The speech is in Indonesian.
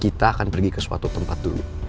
kita akan pergi ke suatu tempat dulu